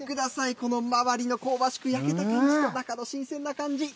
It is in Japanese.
この周りの香ばしく焼けている中の新鮮な感じ。